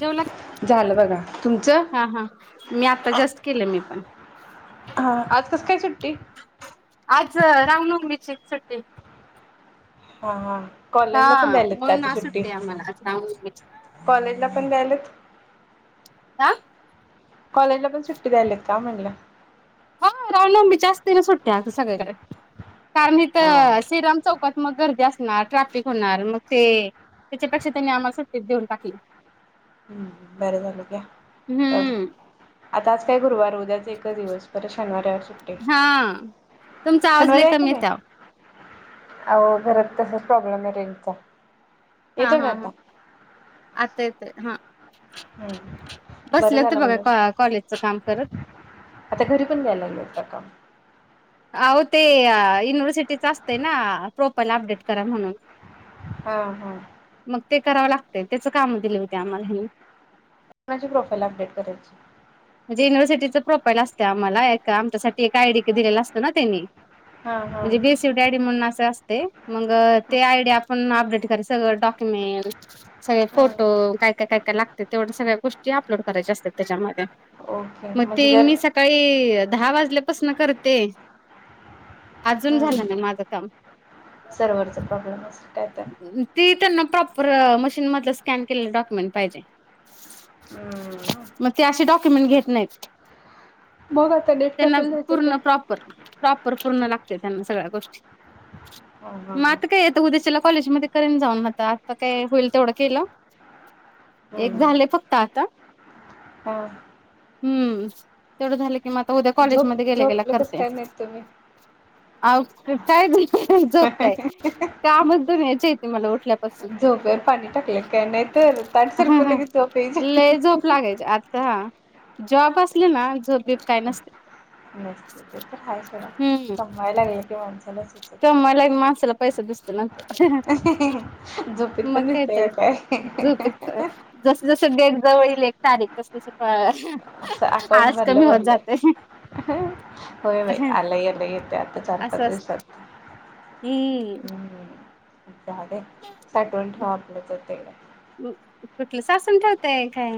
जेवलात. झालं बघा तुमचं हा हा. मी आता जास्ट केलं मी पण. हा. आज कस काय सुट्टी? आज रामनवमीची सुट्टी. हां हां. हा आ म्हणून आज सुट्टी आम्हाला आज रामनवमीची्. कॉलेज ला पण द्यायलेत. अ. कॉलेजला पण सुट्टी द्यायलेत का म्हणलं? हा रावनवमीची आस्तीनं सुट्टी आता सगळीकडं, कारण हा इथं श्रीराम चौकात म गर्दी असणार ट्रॅफिक होणार मग ते त्याच्यापेक्षा त्यांनी आम्हाला सुट्टीच देऊन टाकली. हुं बरं बरं घ्या, जाऊ दे. हम्म आता आज काय गुरुवार उद्याच एकच दिवस परत शनिवार रईवार सुट्टी हं, तुमचा आवाज लय कमी येतायवो. आहो घरात तसाच प्रॉब्लेमाय रेंजचा, हा येतोय का हा हा आता? आता येतोय, हा हम्म बसले होते बघा काॅ कॉलेजचं काम करत. अच्छा घरी पण द्याय लागलेत का काम? आवो ते युनिव्हर्सिटीच असतंय ना प्रोपाईला अपडेट करा म्हणून हां हं. मग ते करावं लागतयं त्याच काम दिले होते आम्हाला ह्यानी कोणाची प्रोफाईल अपडेट करायची. म्हणजे युनिव्हर्सिटीच प्रोफाईल असतयं आम्हाला एक आमच्यासाठी एक आयडी दिलेला असतयं ना त्यांनी हा हा म्हणजे बेसि शेवटी आयडी म्हणून असं असतयं मग ते आयडी आपण अपडेट कराय सगळं डॉक्युमेंल सगळे हम्म फोटो, काय काय काय काय लागतयं सगळ्या गोष्टी अपलोड करायच्या असतात त्याच्यामध्ये ओके मग म्हणजे ते मी जर सकाळी दहा वाजल्यापासनं करते अजून हम्म झालं नाही माझं कामं सर्व्हरचा प्रॉब्लेम असेल काय तर. ती त्यांना प्रॉपर मशीन मधलं स्कॅन केलेलं डॉक्युमेंट पाहिजेयं. हम्म. मग ते अशे डॉक्युमेंट घेत नाहीत. मग आता नेट त्यांना कॅफेला जायचं काय? पूर्ण प्रॉपर प्रॉपर पूर्ण लागतं त्यांना सगळ्या गोष्टी, हा हा म हा आता काय येत उद्याशला कॉलेजमध्ये करेन जाऊन आता आता काय होईल तेवढं केलं. एक हम्म. झालंय फक्त आता, हा हम्म तेवढं झालंय हे म ग आता उद्या झोप कॉलेजमध्ये गेल्या गेल्या झोपलं कसं करते. काय नाहीत तुम्ही आओ काय झालंय झोपताय कामं दुनियाची आहे ती मला उठल्यात असं झोपेवर पाणी टाकलं काय नाही तर ताट हम् सरकवलं हम् की झोप यायची. लई झोप लागायची आतां जॉब असली ना झोप बीब काय नसते. ते हाय सोडा हम्म कमावाय लागली की माणसाला सुचत कमवायला माणसाला पैसा दिसतो नंतर नाही. झोपेत मग पण काय तर दिसतयं का झोपेत काय? जस जसं डेट जवळ येइल एक तारीख तसं तसं असं अकाउंट आळस भरलं कमी होत भरलं. जातयं. होय होय आलय येतय येतय आता असं अस चार हम्म [unintelligible] झाडे साठवून ठेवा आपलं तर ते कुठलं साचून ठेवताय काय,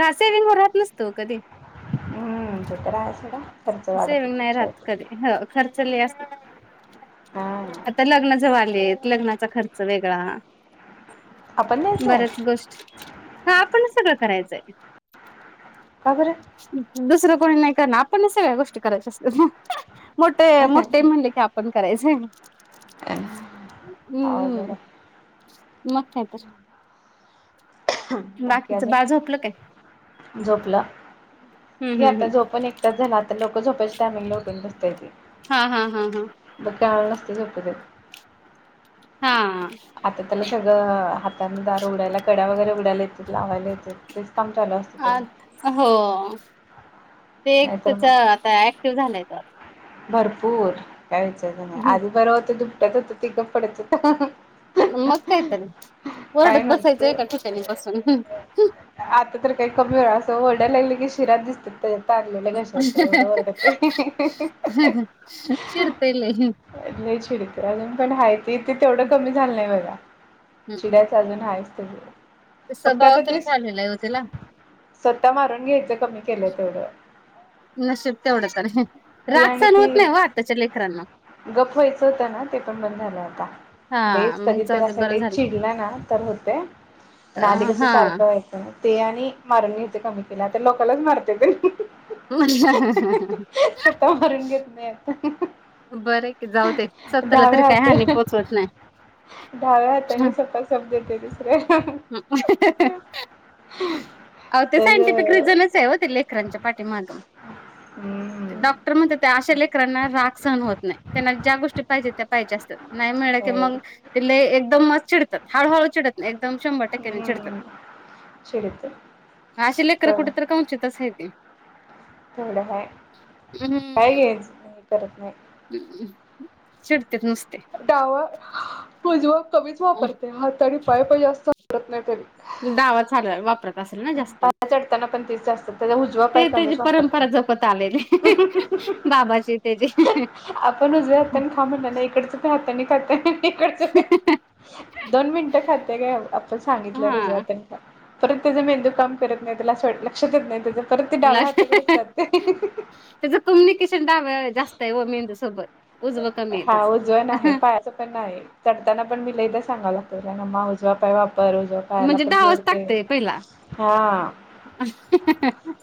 हां सेविंग हो राहत नसतो कधी हम्म ते तर आहे सोडा सगळा खर्च वाढत हो सेविंग नाही त्याच्या राहत कधी हो खर्च लयं असतोय. हा आता लग्न जवळ आलेत, लग्नाचा खर्च वेगळा. आपण द्यायचंय बऱ्याच गोष्टी हा आपणच सगळं करायचयं. का बरं. दुसरं कोणी नाही करणार आपणच सगळ्या गोष्टी करायच्या असतात हं मोठे मोठे म्हणले की आपण करायचं. अ अवघड हाय. मग काय तरं. बाकी अजून, काय? झोपलं हम्म ती हम्म आता हम्म झोपण एक तास झाला आता लोकं झोपायच्या टाईमिंगला उठून बसता येते. हा हा हा मग काय त्यावेळेस नसतयं झोपतं येत. हां. आता त्याला सगळं हाताने दार उघडायला कड्या वगैरे उघडायला येतात लावायला येतात तेच काम चालू असं आ हो ते एक नाहीतर मग त्याच्या आता ऍक्टिव झालाय तो. भरपूर काय विचारायचं नाही आधी बरं होतं दुपट्यात होतं ति गप्प पडत होत. मग कायतरं ओरडत बसायचं नव्हतं. एका ठिकाणी बसून. आतां तर काही कमी वेळा असं ओरडायला लागलं की शिराच दिसत्यात. ते आरडतय घशांच य एवढं वरडतय. चिडतय लई. लई चिडक हाय. अजून पण हाय ते तेवढं कमी झालं नाही बघा चिडायच. ते अजून आहेच त्याच ते फक्त स्वभाव आता तसं ते झालेला आहे हो तेला स्वतः मारून घ्यायचं कमी केलंय तेवढं नशीब तेवढं तर हाय. ती राग आणि सहन होत ती नाही ओ आताच्या लेकरांना गप्प व्हायचं होतं ना ते पण बंद झालं आता. हा लईच मग कधी जाऊ तर दे असं बरं लईच झालं. चिडला ना तर होतय अ पण आधी कस हा सारखं ते आणि मारून घ्यायचं कमी केलाय. आता लोकांलाच मारतोय त्यो ह हा हा... स्वतःला मारून घेत नाही आता. बरंय की, जाऊ दे... स्वतःला तरी डाव्या काय हानी हाताने पोचवत नाही. डाव्या हाताने सपा सप देतय दुसऱ्याना अहो ते सायंटिफिक रिझनच आहे हो ते लेकरांच्या पाठीमाग हम्म... डॉक्टर म्हणत्यात अशा लेकरांना राग सहन होत नाही. त्यांना ज्या गोष्टी पाहिजेत त्या पाहिजे असतात नाही मिळल की मग ते लई एकदम चिडतात. हळूहळू चिडत नाही. एकदम शंभर टक्क्याने चिडतात. हम्म... चिडतोय. अशी लेकरं तो कुठेतरी कवचितच आहे ती. तेवढं हाय, काय घ्यायच करत नाही. चिडत्यात नुसते. डावा उजवा कमीच वापरतोय हात आणि पाय पण जास्त वापरत नाही कधी डावाच लई आहे वापर असेल ना जास्त, पाया चढताना पण तीच जास्त त्याचा उजवा पाय ते त्याची कमीच परंपरा वापरते. जपत आलेली बाबाची त्यजी. आपण उजव्या हातानी खा म्हणल ना इकडचं ते हातानी खातय इकडचं दोन मिनिटं खातंय काय आपण सांगितल्यावर उजव्या हा. हातानी खा. परत त्याचा मेंदू काम करत नाही त्याला अस वाटलं लक्षात येत नाही त्याच्या परत ते ल डाव्या हाताकडेच जाते. त्याचं कम्युनिकेशन डाव्या जास्त आहे ओ मेंदू सोबत उजवं कमी आहे हा उजवन आहे. त्याच पायाचं पण नाही. चढताना पण मी लईदा सांगावं लागतय रमा उजवा पाय वापर उजवा पाय पायला म्हणजे पण डावच जरते टाकतय पहिला हा.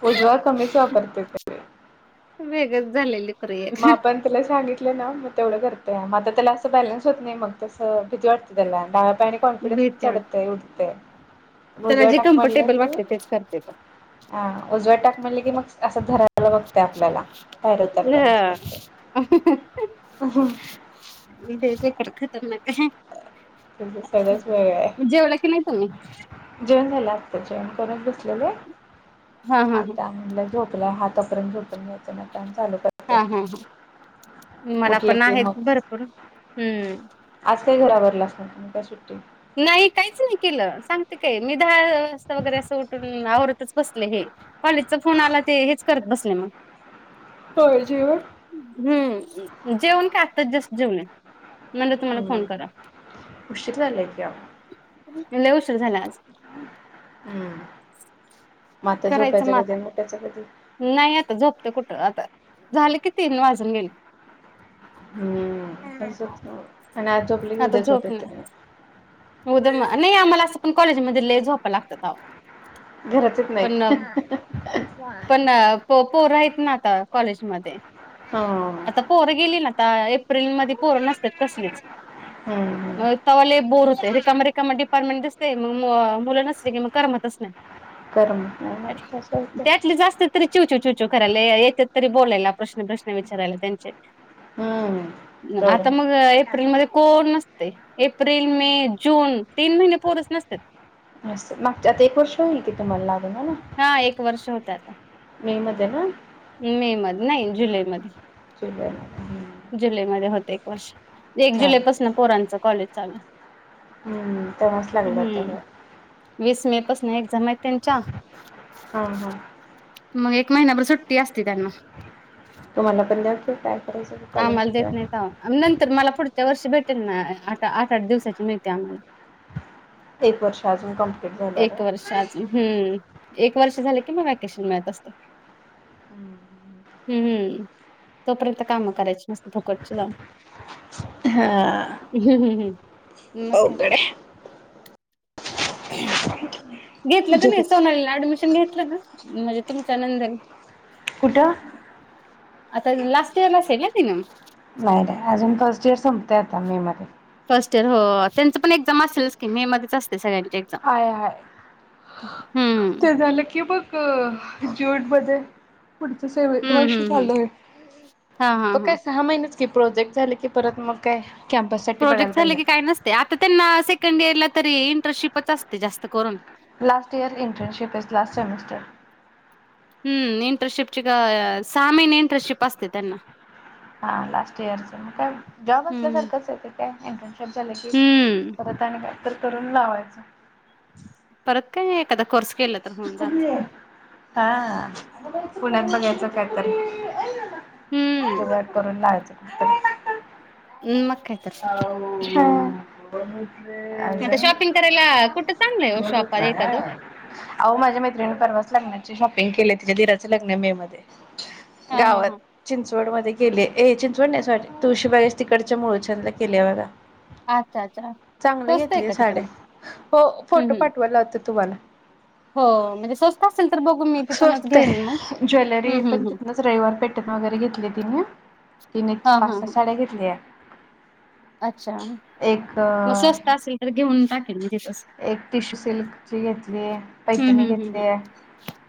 उजवा कमीच वापरतोय पण वेगळच झालेले मा पण. सांगितल ना मग तेवढं करते. आता त्याला असं बॅलन्स होत नाही मग तस भीती वाटते त्याला डाव्या पायाने कॉन्फिडनसन भीती वाट चढतय, उठतय त्याला उजवा जे टाक म्हणलं कम्फर्टेबल की, वाटते तेच करते तो. ह उजवा टाक म्हणल की, मग असं धरायला बघते आपल्याला बाहेर उतरताना इथेच आहे खर खतरनाक आहे. तुझं सगळंच वेगळं आहे जेवला काय नाही तुम्ही? जेवण झालं आताच जेवण करून बसलेलोय हा हा हा आता म्हनलं झोपल्या हात तोपर्यंत झोपून घ्यायच. मग काम चालू करायचं. हा हा ह मला उठले पण की आहेत मग भरपूर हम्म... आज काय घरावर असणार मग काय सुट्टी. नाही काहीच नाही केलं सांगते काय मी दहा वाजता वगैरे असं उठून आवरतच बसले हे. कॉलेजचा फोन आला ते हेच करत बसले मग. होय जेवण हम्म जेवन काय आत्ता जस्ट जेवले म्हणल तुम्हाला फोन कराव. उशिर झालाय की आव. लई उशीर झालाय आज. हम्म, मग आता करायचं मग झोपायचं कधी आता आणि उठायचं कधी. नाही आता झोपते कुठं आता झाले कि तीन वाजून गेले. हम्म तसच की मग आनी आज झोपल की मग उद्या झोप येते. उदम नाही आम्हाला असं पण कॉलेजमध्ये लई झोपा लागत्यात आव. घरातच नाही. पण प पोर आहेत ना आता कॉलेज मध्ये. हा. आता पोरं गेली ना आता एप्रिलमध्ये पोर नसतात कसलीच. हम्म हम्. मग तवा लई बोर होतेय रिकाम रिकाम डिपार्टमेंट दिसते मग मुलं नसले कि मग करमतच नाही. [inaudible] कर्म तसं होतंय. ते अॅटलिस्ट असत्यात. तरी चिव चुचू करायला येत्यात तरी बोलायला प्रश्न प्रश्न विचारायला त्यांचे. हम्म. आता तेवढं मग एप्रिल मध्ये. कोण नसते एप्रिल मे जून तीन महिने पोरच नसत्यात. नसतं मागच्या आता एक वर्ष होईल कि तुम्हाला लागून हाय ना. हा एक वर्ष होत आता. मे मध्ये ना? मे मध्ये नाही जुलै मध्ये. जुलै मध्ये हम्म. जुलै मध्ये होते एक वर्ष एक झालं ते. जुलैपासून पोरांचं कॉलेज चालूय. हम्म तेव्हाच लागले होते होय. वीस मे पासून एक्झाम आहेत त्यांच्या. हम्म हम्म. मग एक महिना भर सुट्टी असते त्यांना. तुम्हांला पण द्याचं काय करायचं कॉलेज आम्हाला मधे देत जा नाही तेव्हा. नंतर मला पुढच्या वर्षी भेटेल ना आता आठ -आठ दिवसाची मिळते आम्हांला एक वर्ष अजून कंम्प्लीट झाल्यावर व्हय? हं एक वर्ष झाले कि मग वॅकेशन मिळत असतेय हं हं तोपर्यंत कामं करायची मस्त फुकटची जाऊन. हा मग काय आहे [unintelligible] घेतलं का नाही झोपेत सोनालीला ऍडमिशन घेतलं ना म्हणजे तुमच नंदनं कुठं? आता लास्ट इअरलाच आहे ना तिनं नाही नाही अजून फर्स्ट इयर संपतेय आता मे मध्ये. फर्स्ट इयर हो त्यांचं पण एक्झाम असेलच की मे मध्येच असते सगळ्यांची. एक्झाम हाय हाय हम्म ते झालं कि मग अ ज्यूटमध्ये पुढचं सेवेच हम्म वर्ष हम्म हम्म चालू आहे हा हा मग हा काय सहा महिनेच की प्रोजेक्ट झाले की परत मग काय कॅम्पससाठी बघायला प्रोजेक्ट झाले की काही पाहिजे नसतंय आता त्यांना सेकंड इयरला तरी इन्ट्रांशिपच असते जास्त करून. Last year internship is last semester हम्म इटरनशिप का सहा महिने इंटरनशिप असते त्यांना हा लास्ट इयरचं मग काय जॉब हम्म असल्यासारखंच आहे ते काय इंटर्नशिप झाले की हम्म परत आणि काय तर करून लावायचं. परत काय एखादा कोर्स केला तर पण होऊन जातं. हा पुण्यात बघायचं कायतर हम्म जुगाड करून लावायचं कुठं तरी हम्म मग काय तर हा आता अजून शॉपिंग करायला कुठं चांगलं आहे ओ शॉप एखादं अहो माझ्या मैत्रिणीनं परवाच लग्नाचे शॉपिंग केल्या तिच्या दिराचं लग्न आहे मे मध्ये हा हा गावात हा चिंचवड मध्ये केले ए चिंचवड नाही सॉरी तुळशी बागेच्या तिकडच्या मुळचद ला केली आहे बघा अच्छा अच्छा चांगलं स्वस्त आहे घेतलीय का साडी तिकडे? हो हं फोटो हं पाठवायला लावतो तुम्हांला हो म्हणजे स्वस्त असेल तर बघू मी तिथूनच घेईन मग हम्म हम्म तिथनंच रविवार पेठेतनं वगैरे घेतली तिने तिने हा हा पाच सहा हा साड्या घेतल्या. अच्छा एक मग स्वस्त असेल तर घेऊन टाकीन मी तिथंच. एक टिशू सिल्कची घेतलीय, हं पैठणी हं हं हं घेतलीय.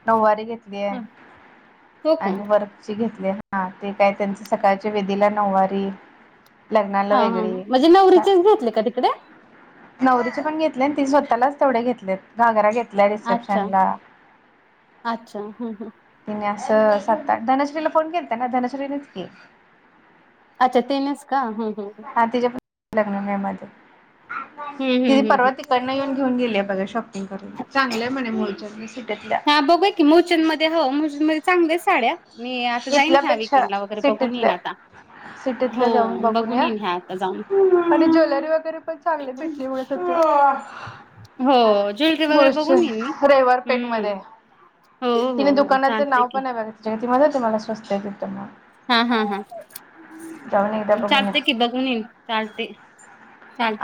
नऊवारी घेतली आहे हं हो का आणि वर्कची घेतलीय. हा ते काय त्यांचं सकाळच्या विधीला नऊवारी लग्नाला हा हा वेगळी म्हणजे नवरीचेच घेतले का तिकडे? नवरीचे पण घेतले आणि तीनं स्वतःलाच तेवढे घेतलेत. घागरा घेतलाय रिसेप्शन अच्छा ला अच्छा हं हं तिन असं सात-आठ धनश्रीला फोन केलता ना धनश्रीनेच की अच्छा तिनेच का हम्म हम्म हा तिच्या पण लग्न मे मध्ये हं तिनी हं हं परवा हं तिकडनं येऊन घेऊन गेली आहे बघा शॉपींग गं करून चांगलंय म्हणे मुळचंदनी सिटतल्या ह बघूया की मुळचंदध्ये हो मुळचंदध्ये चांगल्या आहेत साड्या. मी आता जाईन ह्या इथल्यापेक्षा वीकेंडला वगैरे बघून सिटीतल येईन आता. सिटीतल जाऊन हो बघून या येईन ह्या आता जाऊन आणि ज्वेलरी वगैरे पण चांगली भेटली म्हणतं होती. हो हो ज्वेलरी वगैरे बघून येईन मी. मुळचद रविवारपेठ मध्ये हम्म आहे. हो हो तिने हो दुकानाचं चालते नाव की पण आहे बघा तिच्याकडे ती म्हणतं होती स्वस्त आहे तिथं मग. हा ह हा जाऊन एकदा बघून या चालतंय की बघून येईन चालतंय.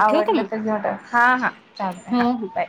आवडलं तर घेऊन टाक हा हा चालतंय. हो हो बाय